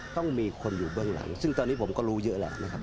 ต้องมีคนอยู่เบื้องหลังซึ่งตอนนี้ผมก็รู้เยอะแหละนะครับ